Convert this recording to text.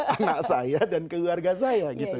anak saya dan keluarga saya gitu